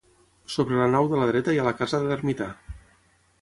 Sobre la nau de la dreta hi ha la casa de l'ermità.